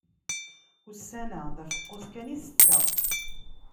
Ussan-a d afeqqus kan i tetteɣ.